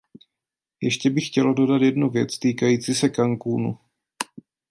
Ještě bych chtěla dodat jednu věc týkající se Cancúnu.